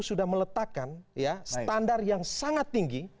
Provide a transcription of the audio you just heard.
sudah meletakkan standar yang sangat tinggi